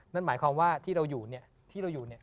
นั่นหมายความว่าที่เราอยู่เนี่ย